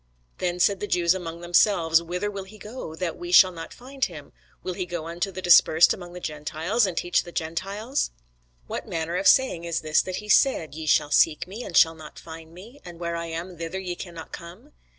Then said the Jews among themselves, Whither will he go, that we shall not find him? will he go unto the dispersed among the Gentiles, and teach the Gentiles? What manner of saying is this that he said, Ye shall seek me, and shall not find me: and where I am, thither ye cannot come?